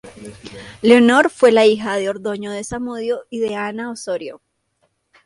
Leonor fue la hija de Ordoño de Zamudio y de Ana Osorio.